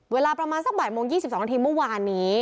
เวลาประมาณสักบ่ายโมง๒๒นาทีเมื่อวานนี้